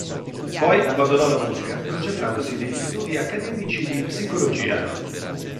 Poi abbandonò la musica concentrandosi negli studi accademici di psicologia.